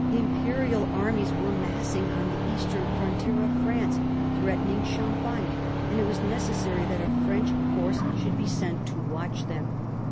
Imperial armies were massing on the eastern frontier of France, threatening Champagne, and it was necessary that a French force should be sent to watch them.